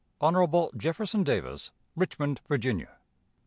"Hon. Jefferson Davis, _Richmond, Virginia.